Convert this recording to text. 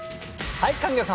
はい。